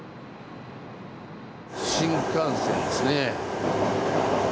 新幹線ですね。